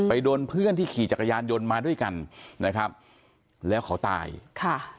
โดนเพื่อนที่ขี่จักรยานยนต์มาด้วยกันนะครับแล้วเขาตายค่ะ